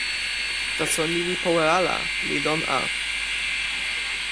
taso ni li powe ala, li lon a.